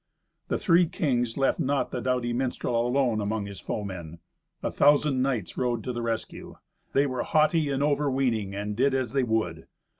The three kings left not the doughty minstrel alone among his foemen. A thousand knights rode to the rescue. They were haughty and overweening, and did as they would.